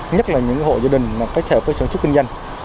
nhất là những hộ gia đình kết hợp với sản xuất kinh doanh